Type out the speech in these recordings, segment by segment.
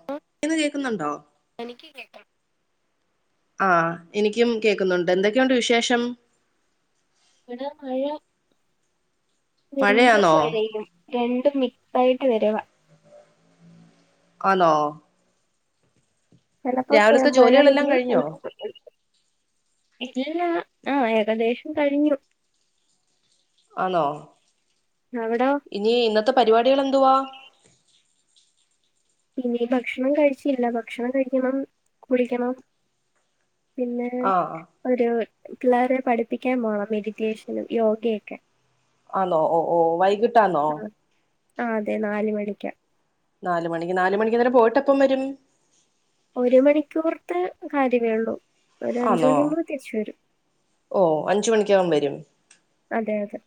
[unintelligible] പറയുന്ന കേൾക്കുന്നുണ്ടോ എനിക്ക് കേക്കാം ആഹ് എനിക്കും കേക്കുന്നുണ്ട്. എന്തൊക്കെയുണ്ട് വിശേഷം? ഇവിടെ മഴ വെയിലും മഴയാന്നോ മഴയും രണ്ടും മിക്സ്സായിട്ട് വെറുവാ ആണോ ചിലപ്പോൾ രാവിലത്തെ മഴ ജോലികളെല്ലാം പെയ്യും കഴിഞ്ഞോ ചിലപ്പോൾ [inaudible] ഇല്ല ആഹ് ഏകദേശം കഴിഞ്ഞു ഹലോ അവുടെ ഇനി ഇന്നത്തെ പരിവാടിക്കൾ എന്തുവാ ഇനിം ഭക്ഷണം കഴിച്ചില്ല ഭക്ഷണം കഴിക്കണം കുളിക്കണം പിന്നെ. ആഹ് ഒരു പിള്ളേരെ പഠിപ്പിക്കാൻ പോണം മെഡിറ്റേഷനും യോഗയൊക്കെ. ആന്നോ ഓ ഓ വൈകിട്ടാന്നോ. ആ അതെ നാല് മണിക്ക നാല് മണിക്ക് നാല് മണിക്ക് ന്നിട്ട് പോയിട്ട് എപ്പം വരും? ഒരു മണിക്കൂർത്തെ കാര്യമേയൊള്ളൂ. ആന്നോ ഓ അഞ്ചുമണിക്ക് അവൻ വരും അതെ അതെ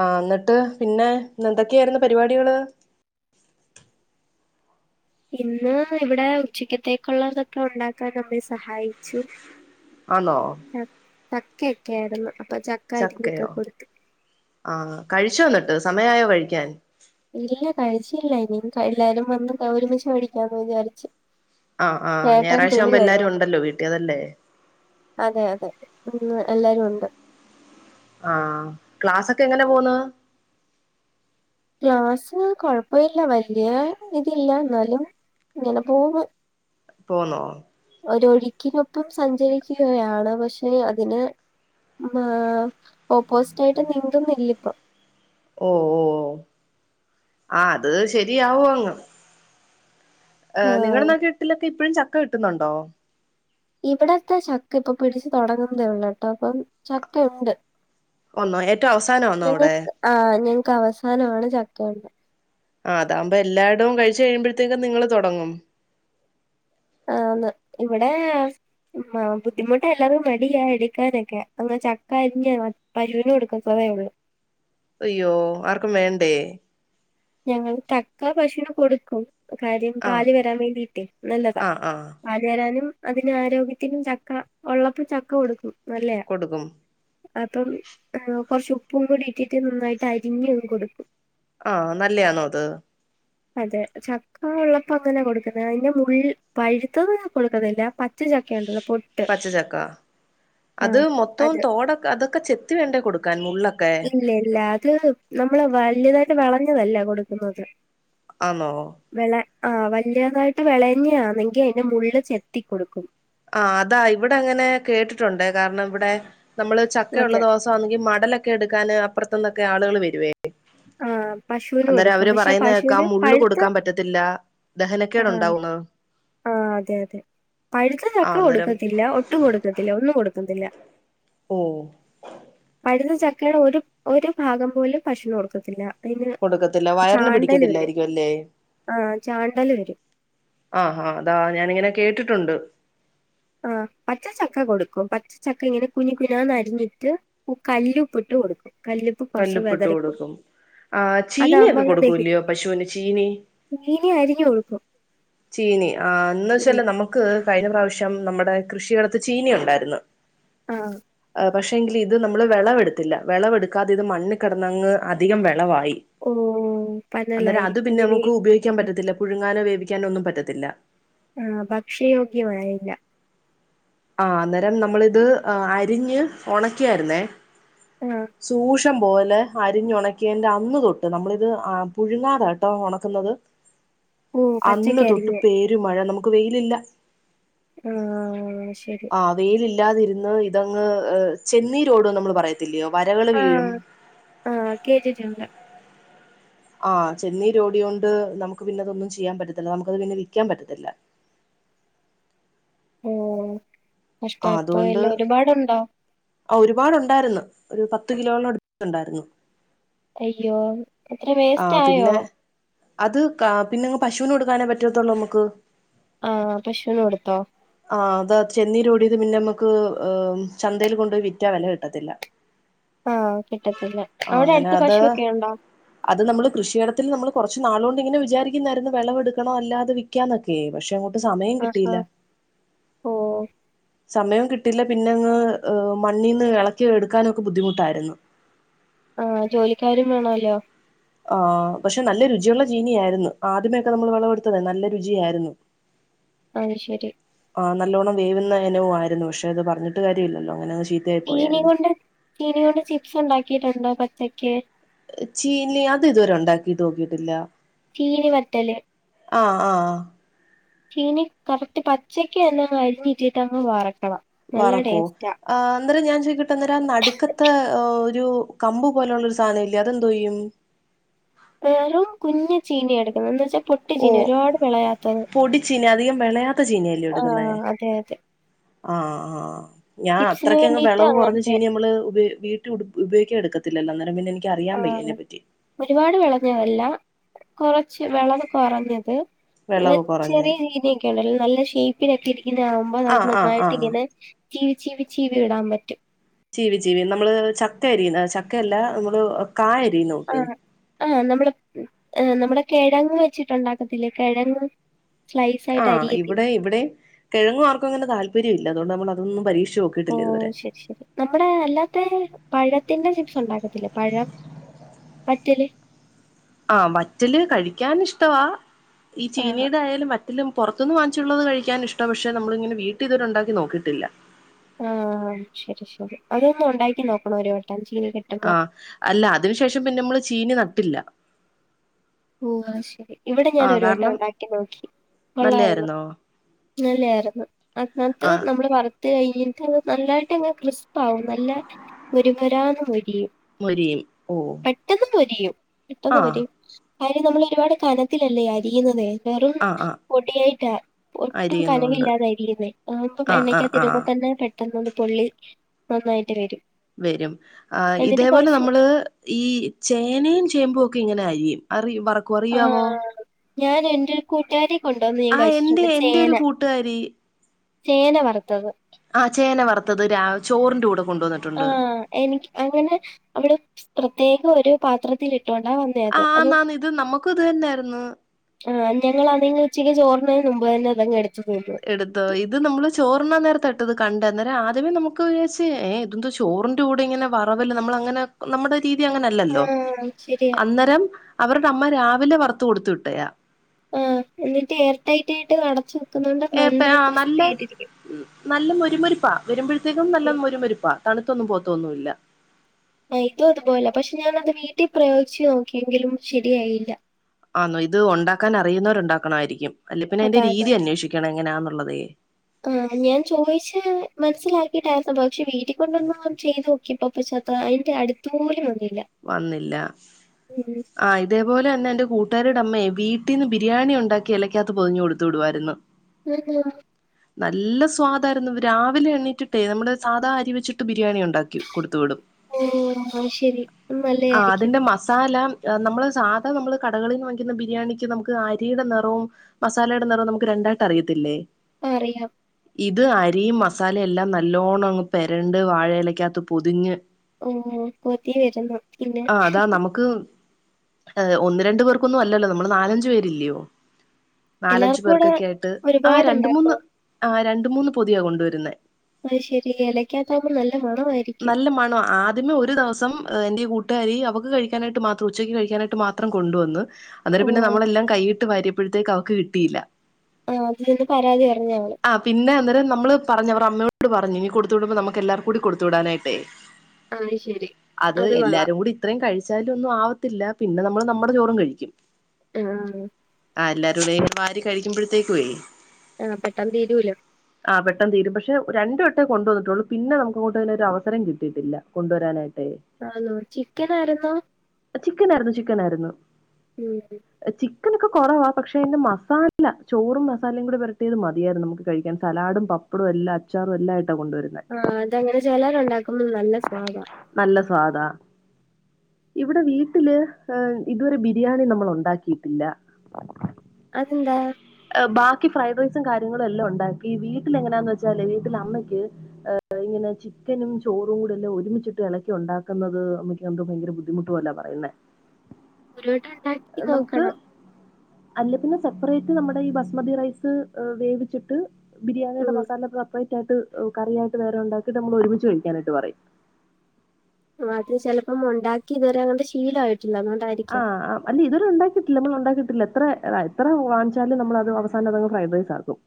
ആ ഇന്നെട്ട് പിന്നെ ഇന്നെന്തെക്കെയായിരുന്നു പരിപാടികള്. ഇന്ന് ഇവെടെ ഉച്ചിക്കത്തേക്കുള്ളതൊക്കെ ഒണ്ടാക്കാൻ അമ്മെയെ സഹായിച്ചു. ആന്നോ? ആഹ് ചക്കയെക്കെയായിരുന്നു അപ്പൊ ചക്ക അരിഞ്ഞൊക്കെ ചക്കയോ കൊടുത്ത് ആഹ് കഴിച്ചോ എന്നെട്ട് സമയായോ കഴിക്കാൻ? ഇല്ല കഴിച്ചില്ല ഇനി എല്ലാരും വന്ന് ഒരുമിച്ച് കഴിക്കാന്ന് വിചാരിച്ച് ആഹ് ആ ചേട്ടൻ തുണി ഞായറായ്ചയാവുമ്പോ എല്ലാരും കഴുകുന്നു ഒണ്ടല്ലോ വീട്ടി അതല്ലേ? അതെ അതെ ഇന്ന് എല്ലാരുവുണ്ട്. ആഹ് ക്ലാസൊക്കെ എങ്ങനെ പോണ്. ക്ലാസ് കൊഴപ്പെയില്ല വല്ല്യയിതില്ല എന്നാലും. ഇങ്ങനെ പോവുന്ന് പോവ്ന്നോ? ഒരൊഴിക്കിനൊപ്പം സഞ്ചരിക്കുകയാണ് പക്ഷെ അതിന് ആഹ് ഓപ്പോസിറ്റായിട്ട് നീന്തുന്നില്ലിപ്പൊ. ഓഹ് ഓഹ് ആ അത് ശരിയാവും അങ്ങ്. നിങ്ങടെ ആഹ് നാട്ടിലെ വീട്ട്ലൊക്കെ ഇപ്പഴും ചക്ക കിട്ടുന്നുണ്ടോ? ഇവിടത്തെ ചക്കയിപ്പൊ പിടിച്ചു തൊടങ്ങുന്നതേ ഉള്ളൂട്ടോ അപ്പം ചക്കയുണ്ട്. ഒണ്ടോ? ഏറ്റവും അവസാനാന്നോ അവടെ? ആ ഞങ്ങക്ക് അവസാനമാണ് ചക്കണ്ട ആ അതാകുമ്പോ എല്ലായിടവും കഴിച്ചു കഴിയുമ്പോഴത്തേക്കും നിങ്ങള് തൊടങ്ങും. ആന്ന് ഇവടെ. ബുദ്ധിമുട്ടാ എല്ലാർകും മടിയാ എടുക്കാനൊക്കെ അങ്ങ് ചക്കാ അരിഞ് പശുവിന് കൊടുകും. അയ്യോ! ആർക്കും വേണ്ടേ? ഞങ്ങൾ ചക്കാ പശൂന് കൊടുക്കും കാര്യം ആ പാല് വരാൻ വേണ്ടിയിട്ടേ നല്ലതാ. ആ ആ പാല് വരാനും അതിന് ആരോഗ്യത്തിനും ചക്ക ഒള്ളപ്പോ ചക്ക കൊടുക്കും നല്ലയാ. കൊടുക്കും അപ്പം കൊറച്ച് ഉപ്പും കൂടിയിട്ടിട്ട് നന്നായിട്ട് അരിഞ്ഞങ്ങ് കൊടുക്കും. ആഹ് നല്ലയാന്നോ അത്? അതെ ചക്ക ഉള്ളപ്പോ അങ്ങനെ കൊടുക്കുന്നത് അതിന്റെ മുള്ള് പഴുത്തത് കൊടുക്കത്തില്ല പ ച്ചാ, ചക്കയെണ്ടല്ലോ പൊരി പച്ചച്ചക്ക അത് മൊത്തവും അത് തോടൊക്കെ അതൊക്കെ ചെത്തി വേണ്ടേ കൊടുക്കാൻ മുള്ളൊക്കെ? ഇല്ല ഇല്ല അത് നമ്മള് വല്തായിട്ട് വെളഞ്ഞതല്ല കൊടുക്കുന്നത്. ആന്നോ? വെള ആ വല്യതായിട്ട് വെളഞ്ഞാന്നെങ്കി അയിന്റെ മുള്ള് ചെത്തി കൊടുക്കും. ആഹ് അതാ ഇവടങ്ങനെ കേട്ടിട്ടുണ്ട് കാരണം ഇവിടെ നമ്മള് ചക്കയുള്ള അതെ ദുവസാ ന്നെങ്കി മടലൊക്കെ എടുക്കാന് അപ്പർത്ത്ന്നൊക്കെ ആളുകള് വെരുവേ ആഹ് ആഹ് പശൂന് കൊടുക്കും പക്ഷെ പറയുന്ന കേക്കാം പശുവിന് മുള്ള് പഴുത്തെ കൊടുക്കാൻ പറ്റത്തില്ല ആഹ്. ദഹനക്കേടുണ്ടാവുന്ന് ആ അതെ അതെ പഴുത്ത ചക്ക ആഹ് അന്നേരം കൊടുക്കത്തില്ല ഒട്ടും കൊടുക്കത്തില്ല ഒന്നും കൊടുക്കത്തില്ല. ഓഹോ പഴുത്ത ചക്കയുടെ ഒരു ഒരു ഭാഗം പോലും പശൂന് കൊടുക്കത്തില്ല. അയിന് കൊടുക്കത്തില്ല വയറിന് ചാണ്ടല് വെരും പിടിക്കത്തില്ലായിരിക്കും അല്ലേ ആ ചാണ്ടല് വരും. ആഹ് ഹാ അതാ ഞാാനിങ്ങനെ കേട്ടിട്ടുണ്ട്. ആ പച്ചച്ചക്ക കൊടുക്കും പച്ചച്ചക്ക ഇങ്ങനെ കുനു കുനാന്നരിഞ്ഞിട്ട്. ഉപ് കല്ലുപ്പ്ട്ട് കൊടുക്കും കല്ല്പ്പ് കല്ലുപ്പിട്ട് കൊടുക്കും ആ് ചീനിയൊക്കെ കൊടുക്കൂല്ലയോ പശുവിന് ചീനി ചീനി അരിഞ്ഞ് കൊടുക്കും ചീനി ആ ന്ന് ഉം വെച്ചാല് നമ്മക്ക് കഴിഞ്ഞ പ്രാവിശ്യം നമ്മടെ കൃഷിയിടത്ത് ചീനിയൊണ്ടാരുന്നു ആഹ് പക്ഷെങ്കില് ഇത് നമ്മള് വെളവെടുത്തില്ല വെളവെടുക്കാതെ ഇത് മണ്ണ് കിടന്നങ്ങ് അധികം വെളവായി ഓഹ് പന്നലായി അതിനി ക്യം പറ്റത്തില്ല പുഴുങ്ങാനോ വേവിക്കാനോ ഒന്നും പറ്റത്തില്ല ആ ഭക്ഷിയോഗ്യമായില്ല ആ അന്നേരം നമ്മളിത് അ അരിഞ്ഞ് ഒണക്കിയാരുന്നേ ആഹ് സൂക്ഷ് ഷ്ട്ടം പോലെ അരിഞ്ഞുണക്കിയൻ്റെ അന്ന് തൊട്ട് നമ്മളിത് അ പുഴുങ്ങാതെട്ടോ ഒണക്കുന്നത് ഓഹ് അന്ന് തൊട്ട് പച്ചക്കരിഞ്ഞ് പേര്‌ മഴ നമുക്ക് വെയിലില്ല ആഹ് ശരി ആ വെയിലില്ലാതിരുന്ന് ഇതങ്ങ് ചെന്നീരോടും നമ്മള് പറയത്തില്യോ വരകൾ വീഴും ആ കെട്ടിട്ട്ണ്ട് ആ ചെന്നീരോഡിയോണ്ട് നമുക്ക് പിന്നെതൊന്നും ചെയ്യാൻ പറ്റത്തില്ല നമുക്കത് പിന്നെ വിക്കാൻ പറ്റത്തില്ല ഓ കഷ്ട ഇപ്പ എല്ലാ ഒരുപാടുണ്ടോ ഒരുപാടുണ്ടാര്‌ന്നു ഒരു പത്ത് കിലോളട്ത്ത്ണ്ടായ്ര്‌ന്നു അയ്യോ അത്ര ആ വേസ്റ്റ് ആയോ? പിന്നെ അത് കാ പിന്നെങ്ങ് പശുനോടുക്കാനേ പറ്റത്തുള്ളൂ മുക്ക് ആഹ് പശുനോടുത്തോ ആ അത് ചെന്നീരോടിയത് പിന്നെമ്മക്ക് ചന്തേല് കൊണ്ടോയി വിറ്റാ വെല കിട്ടത്തില്ല ആഹ് കിട്ടത്തില്ല ആ അവിടെ അങ്ങനെ എട്ത്ത് അത് പശുഒക്കെഴുണ്ടോ അത് നമ്മള് കൃഷിയിടത്തില് നമ്മള് കൊറച്ച് നാളുകൊണ്ട് ങ്ങനെ വിചാരിക്കുന്നായിരുന്നു വെളവെടുക്കണോ അല്ലാതെ വിക്കാന്നൊക്കെ പക്ഷെ അങ്ങ് [unintelligible] ഓ സമയം കിട്ടില്ല പിന്നെ അങ്ങ് ഹ് മണ്ണീന്ന് എളക്കി എടുക്കാനൊക്കെ ബുദ്ധിമുട്ടായിരുന്നു ആഹ് ജോലിക്കാരും വേണവല്ലോ ആഹ് പക്ഷെ നല്ല രുചിയുള്ള ചീനിയാര്‌ന്നു ആദ്യത്തെക്കെ നമ്മള് വെളെവെടുത്തത നല്ല രുചിയായിരുന്നു അയ് ശരി ആ നല്ലോണം വേവ്ന്ന എനവുമായിരുന്നു പ ക്ഷെത് പർഞ്ഞിട്ട് കാര്യല്ലല്ലോ അങ്ങനെ ശീ ച്ചീനികൊണ്ട് ച്ചീനി കൊണ്ട് ചിപ്സ്ണ്ടാക്കിട്ടുണ്ടോ പച്ചക്ക് ചീനി അത് ഇതുവരെ ഉണ്ടാക്കി് നോക്കിയിട്ടില്ല ചീനി വത്തല് ആഹ് ആഹ് ചീനി കറക്റ്റ് പച്ചക്കന്നെന്ന് അരിഞ്ഞിട്ടിട്ടങ്ങ് വറക്കണം നല്ല വറക്കോ ടേസ്റ്റാ ആ അന്നേരം ഞാൻ ചോയിക്കട്ടെ അന്നേരം നടുക്കത്തെ ഒരു കമ്പു പോലെള്ള ഒരു സാനം ഇല്ലേ അതെന്തോയ്യും വെറും കുഞ് ചീനി എടുക്കുന്നത് എന്താച്ചാ ഓ പൊട്ടിച്ചീനി ഒരുപാട് വിളയാത്തത് പൊടി ചീനി അധികം വെളയാത്ത ചീനിയല്ലേ എടുക്കുന്നെ ആഹ് അതെ അതെ ആഹ് ആഹ് ഞാൻ ചിപ്സിന് അത്രക്കങ് വേണ്ടിട്ട് വെളവ് കുറഞ്ഞ അങ്ങനത്തെ ചീനി ഞമ്മള് ഉപ വീട്ട് ഉപയോഗിക്കാനടുക്കത്തില്ലല്ലോ അന്നേരം പിന്നെ ക്കറിയാൻ വയ്യ അയിനെ ആഹ് പറ്റി ഒരുപാട് വെളഞ്ഞതല്ല കൊറച്ച് വെളവ് കൊറഞ്ഞത് ഇങ്ങ വിളവ് കുറഞ്ഞ് ചെറിയ രീതിക്കെണ്ടല്ലോ നല്ല ഷേയ്പ്പിനൊക്കെ ഇരിക്കുന്നെ ആവുമ്പ ആ അത് ആ ആ നന്നായിട്ട് ഇങ്ങനെ ചീവി ചീവി ചീവി ഇടാം പറ്റും ചീവി ചീവി നമ്മള് ചക്ക അരിയുന്ന ചക്കയല്ല മ്മള് കായഎരിന്നോട്ട് ആ നമ്മള് നമ്മുടെ കെഴങ്ങ് വെച്ചിട്ടുണ്ടാക്കത്തില്ലേ കെഴങ്ങ് ആ ഇവടെ ഇവടെ കെഴങ്ങു ആർക്കും അങ്ങനെ താല്പര്യം ഇല്ല അതുകൊണ്ട് നമ്മള് അതൊന്നും പരീക്ഷിച്ച് നോക്ക ഓ ശരി ശരി നമ്മുടെ അല്ലാത്ത പഴത്തിന്റെ ചിപ്സ്ണ്ടാക്കത്തില്ലെ പഴം പറ്റല് ആ വറ്റല് കഴിക്കാന് ഇഷ്ടവാ ഈ ആ ചീനീടെ ആയാലും വ ലും പൊർത്ത്ന്ന് വാങ്ങിച്ചുള്ളത് കഴിക്കാൻ ഇഷ്ടാ പക്ഷെ നമ്മളിങ്ങനെ വീട്ടീ ഇതുവരെ ഇണ്ടാക്കി നോക്കിട്ടില്ല ആഹ് ശെരി ശെരി അതൊന്ന്ണ്ടാക്കി നോക്കണം ഒരു വട്ടം ചീന ച ആ അല്ല അതിനു ശേഷം പിന്നമ്മള് ചീനി നട്ടില്ല ഓ അയ് ശരി ഇവിടെ ഞാൻ ആഹ് ഒരു വട്ടം കാരണം ഉണ്ടാക്കി നോക്കി കൊള്ളാര്ന്നു നല്ലയായിരുന്നോ നല്ലായിരുന്നു അ അത്ര ആഹ് നമ്മള് വറ് ട്ട് കഴിഞ്ഞ്ട്ട് നല്ലായിട്ടങ്ങ ക്രിസ്പാവും നല്ല മൊര്മൊരാന്ന് മൊരിയും മൊരിയും ഓ പെട്ടെന്ന് പൊരിയും പെട്ടെന്ന് ആഹ് മൊരിയും കാര്യം നമ്മള് ഒരുപാട് കനത്തിലല്ലേ അരിയുന്നത് വെറും ആഹ് ആഹ് പൊടിയായിട്ടാ ഒട്ടും അരിയുന്നുണ്ട് കനമില്ലാതെ അരിയുന്നെ കാമ്പു ആഹ് ആഹ് എണ്ണകകത്ത് ആഹ് ഇടുമ്പതന്നെ പെട്ട - ട്ടന്നന്നു പൊള്ളി നന്നായിട്ട് വെരും വെരും ആ ഇതേപോലെ നമ്മള് ഈ ചേനേം ചേമ്പും ഒക്കെ ഇങ്ങനെ അരിയും അറി വറക്കും ആ അറിയാവോ ഞാൻ എന്റെരു കൂട്ടുകാരി കൊണ്ടോന്ന് ഞാൻ കഴിച്ചിട്ട്ണ്ട് ചേന കൂട്ട്കാരി ചേന വറ്ത്തത് ആഹ് ചേന വറ്ത്തത് രാ ചോറിന്റെ കൂടെ കൊണ്ടന്ന് ആഹ് എനി അങ്ങനെ അവള് പ്രത്യേകം ഒരു പാത്രത്തിലിട്ടോണ്ടാ വന്നെ - ആഹ് മാമെ ഇത്‌ നമ്മുക്ക് ഇതെന്നാര്ന്ന് ആഹ് ഞങ്ങളതീന്ന് ഉച്ചക്ക് ചോറിന് മുമ്പ് തന്നെ അതങ്ങ്ട്ത്ത് തിന്നും എടുത്തോ ഇത് നമ്മള് ചോറുണ്ണാ നേരത്താട്ടത് കണ്ടെ അന്നേരം ആദ്യമേ നമക്ക് വിചാര്ച്ച് ഏ ഇതെന്താ [unintelligible] ചോറിന്റെ കൂടെ ഇങ്ങനെ വറവല്ലാം നമ്മളങ്ങനെ നമ്മടെ- സ്തിതി അങ്ങനെ ആ അല്ലല്ലോ ശരിയാ അന്നരം അവര്ടെ അമ്മ രാവിലെ വറ്ത്ത് കൊട്ത്ത് വിട്ടയാ ആഹ് എന്നിട്ട് എയർടൈറ്റായിട്ട് അടച്ചു വെക്കുന്നതോണ്ട് നന്നായി ക്രിസ്പി ആയിട്ടിരിക്കും ഉം നല്ല മൊരുമൊരിപ്പാ വെരുമ്പോഴത്തേക്കും ഉം നല്ല മൊരുമൊരുപ്പാ തണുത്തൊന്നും പോത്തൊന്നുല്ല മൈതു അതുപോല പക്ഷെ ഞാനനത് വീട്ടീ പ്രയോഗിച്ച് നോക്കിങ്കിലും ശെരിയായില്ല ആന്നോ ഇത് ഉണ്ടാക്കാൻ അറിയുന്നവര് ഉണ്ടാക്കണായിരിക്കും അല്ലെ പിന്നെ ഐന്റെ അതാ രീതി അന്വേഷിക്കണം എങ്ങനെയാന്നുള്ളതേ ആഹ് ആഹ് ഞാൻ ചോയ്ച്ചാ മനസിലാക്കിട്ടാ സംഭവം പക്ഷെ വീട്ടില്ക്കൊണ്ടോന്ന് ചെയ്ത് നോക്യപ്പോ പക്ഷെ ത്ര ഐന്റെ അടു- ത്തോലും വന്നില്ല വന്നില്ല ഉം ആഹ് ഇതേപോലെന്നെ എന്റെ കൂട്ടുകാരീടെ അമ്മെ വീട്ടീന്ന് ബിരിയാണി ഇണ്ടാക്കി എലക്കകത്ത് പൊതിഞ്ഞ് കൊടുത്ത് വിടുവായിരുന്നു [unintelligible] നല്ല സ്വാദായിരുന്നു രാവിലെ എണ്ണീറ്റിട്ടേ നമ്മളെ സാധാ അരിവെച്ചിട്ട് ബിരിയാണി ഉണ്ടാക്കി കൊടുത്തു വിടും ഏ അത് ശെരി ആഹ് അതിന്റെ മസാല അ നമ്മള് സാധാ നമ്മള് കടകളീന്ന് വാങ്ങിക്കുന്ന ബിരിയാണിക്ക് നമുക്ക് അരിയിടെ നിറവും മസാലേടെ നിറോം നമുക്ക് രണ്ടായിട്ട് അറിയത്തില്ലേ അറിയാം ഇത് അരിയും മസാലേം എല്ലാം നല്ലോണം അങ്ങ് പെരണ്ട് വാഴേലക്കകത്ത് പൊതിഞ്ഞ് ഓ കൊതി വെര്ന്നു ആഹ് അതാ നമുക്ക് ഏ ഒന്ന് രണ്ട് പേർക്കൊന്നും അല്ലല്ലോ നമ്മള് നാലഞ്ച് പേര്ല്ലയോ നാലഞ്ചു എല്ലാവർക്കും കൂടെ പേർക്കൊക്കായിട്ട് ആ രണ്ട് ഒരുപാടുണ്ടാക്കോ? മൂന്ന് ആ രണ്ട് മൂന്ന് പൊതിയാ കൊണ്ടുവരുന്നെ അത് ശെരി എലയ്ക്കാത്താവുമ്പോ നല്ല മണമായി- നല്ല മണാ ആദ്യമേ ഒരു ദെവസ- സം എന്റെ ഈ കൂട്ടുകാരി അവക്ക് കഴിക്കാനായിട്ട് മാത്രം ഉച്ചക്ക് കഴിക്കാനായിട്ട് മാത്രം കൊണ്ടുവന്ന് അന്നേരം പിന്നെ ഓഹ് നമ്മളെല്ലാം കയ്യിട്ട് വാരിയപ്പോത്തേക്ക് അവക്ക് കിട്ടിയില്ല ആഹ് അതില് നിന്ന് പരാതി പർഞ്ഞ് അവള് ആഹ് പിന്ന അന്നേരം ഞമ്മള് പറഞ് അവറ് അമ്മയോട് പറഞ്ഞ് ഇഞി കൊട്ത്ത് വിടുമ്പൊ നമ്മക്കെല്ലാവർകും കൂടി കൊട്ത്ത് വിടാനായിട്ടെ അത് ശരി അത് എല്ലാരും കുടി ഇത്രിം കഴിച്ചാല് ഒന്നും ആവത്തില്ല പിന്ന നമ്മള് നമ്മടെ ചോറും കഴിക്കും ഉം ആഹ് എല്ലാരും വേ ഇങ്ങന വാരി കഴിക്കുമ്പഴത്തേക്കു ആഹ് പെട്ടെന്ന് തീരൂലൊ ആഹ് പെട്ടന്ന് തീരും. പക്ഷെ രണ്ട് വട്ടെ കൊണ്ടുവന്നിട്ടൊള്ളു പിന്ന നമ്മക്ക് - എനിക്കങ്ങനെ ഒരവസരം കിട്ടിട്ടില്ല കൊണ്ടുവരാനായിട്ടെ ആണോ ചിക്കനാര്ന്നോ ചിക്കനായിരുന്നു ചിക്കനായിരുന്നു ചിക്കനൊക്കെ കൊറവാ പക്ഷെ അയിന്റെ മസാല ചോറും മസാലയും കൂടെ പരട്ടിയത് മതിയായ്രുന്നു നമുക്ക് കഴിക്കാൻ സലാഡും പപ്പ അപ്പളും എല്ല അച്ചാറും എല്ലയിട്ട കൊണ്ട് വര്ന്നെ ആഹ് അതെങ്ങനെ ചെലര്ണ്ടാക്കുമ്പൊ നല്ല സ്വാദ നല്ല സ്വാദാ ഇവിടെ വീട്ടില് ഏഹ് ഇത് വരെ ബിരിയാണി നമ്മളുണ്ടാക്കിയിട്ടില്ല അതെന്താ ബാക്കി ഫ്രൈഡ് റൈസും കാര്യങ്ങളും എല്ലാം ഉണ്ടാക്കി വീട്ടിലെങ്ങനാന്ന് വെച്ചാല് വീട്ടില് അമ്മയ്ക്ക് ഏഹ് ഇങ്ങനെ ചിക്കനും ചോറും കൂടി എല്ല ഒരുമിച്ചിട്ട് എളക്കി ഉണ്ടാക്ക്ന്നത് അമ്മക് ന്തൊ ഭയങ്കര ബുദ്ധിമുട്ട് പോല പറയ്ന്നെ ഒരു വട്ടം ഉണ്ടാക്കി നമുക്ക് നോക്കണം അല്ലെ പിന്നെ സപ്പറയ്റ്റ് നമ്മ്ടെ ഈ ബസ്മതി റൈസ് വേവിച്ചിട്ട് ബിരിയാണിടെ ഉം മസാല സപ്പറയ്റ്റായിട്ട് കറിയായാട്ട് വേറെ ഉണ്ടാക്കീട്ട് നമ്മളൊരുമിച്ച് കഴിക്കാനായ്ട്ട് പറയും അത് ചെലപ്പം മൊണ്ടാക്കി ഇത് വരെ അങ്ങ്ട്ട് ശീലായിട്ട്ണ്ടാ അതുകൊണ്ട ആഹ് അ അല്ലെ ഇത് വരെ ഉണ്ടാക്കീട്ടില്ല നമ്മള് ഉണ്ടാക്കിട്ടില്ല എത്ര എത്ര വാങ്ങ്ച്ചാലും നമ്മളത് അവസാനം ഫ്രൈഡ് റൈസ് ആക്കും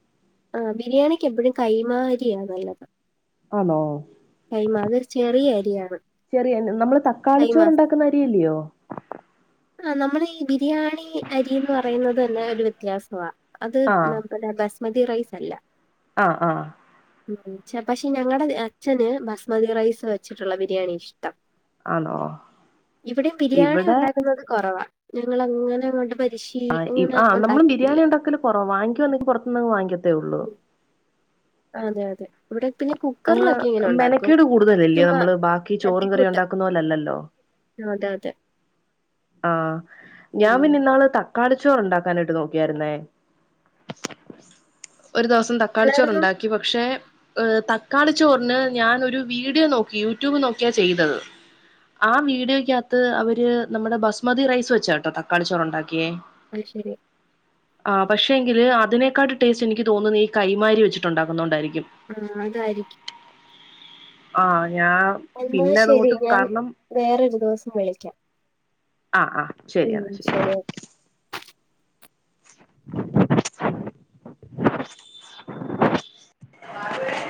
ആഹാ ബിരിയാണിക്കെപ്പഴും കൈമ അരിയാ നല്ലത് ആന്നൊ കൈമ അത് ചെറിയ അരിയാണ് ശരി നമ്മള് കൈമ തക്കാളിച്ചോറ്ണ്ടാക്ക അ അരിയല്ലയൊ ആഹ് നമ്മളീ ഈ ബിരിയാണി അരീന്ന് പറയുന്നതെന്നെ ഒര് വ്യത്യാസവ അത് ആ ന പതെ ബസ്മതീ റൈസല്ല ആഹ് ആഹ് ഉം പഷെ ഞങ്ങടെ അച്ഛന് ബസ്മതീ റൈസ് വച്ച്ട്ടുള്ള ബിരിയാണി ഇഷ്ടം ആണോ ഇവിടിം ബിരിയാണി ഇവിടെ ഉണ്ടാക്കുന്നത് കൊറവ ഞങ്ങളങ്ങനങ്ങോ ആഹ് ആഹാ നമ്മളും ബിരിയാണിണ്ടാക്കല് കൊറവ വാങ്ങിക്കാന്ന്വെ പൊറത്ത്ന്ന വാങ്ങിക്കത്തെ ഉള്ളു ഉം. അതെ അതെ ഇവടെ പിന്നെ അങ്ങ് കുക്കർലൊക്കെ ഇങ്ങനെ ഉണ്ടാക്കും മെനക്കേട് കൂടുതലല്ലയോ ചുമ്മാ നമ്മള് ബാക്കി ചോറും കറിയും തട്ടിക്കൂട്ട് ഉണ്ടാക്കുന്ന പോലല്ലല്ലോ അതെ അതെ ആഹ് ഞാ ഉം. പിന്നെ ഇന്നാള് ത കാടിച്ചോറ് ഇണ്ടാക്കാനായിട്ട് നോക്കിയായിരുന്നേ ഒരു ദിവസം പിള്ളേരൊന്നും തക്കാളിച്ചോറുണ്ടാക്കി പക്ഷേ ഏഹ് ക്കാളിച്ചോറ്ന് ഞാനൊര് വീഡിയൊ നോക്കി യൂട്യൂബ് നോക്ക്യ ചെയ്തത് ആഹ് വീഡിയോക്കകത്ത് അവര് നമ്മ്ടെ ബസ്മതി റൈസ് വെച്ചാ കെട്ടൊ തക്കാളി ചോറ് ഉണ്ടാക്കിയെ അയ് ശരി ആഹ്ഴ പക്ഷെങ്കില് അതിനേക്കാൾ ടേസ്റ്റ് എനിക്ക് തോന്ന്ന്നെ ഈ കൈമ അരി വെച്ചിട്ടുണ്ടാക്കുന്നോ ണ്ടായിരിക്കും ആഹ് അതായിര്ക്കും ആഹ് ഞാം എന്നാ ശരി ഞാൻ വേറൊര് ദിവസം വിളിക്കാം ആ ആഹ് ശരി ശരി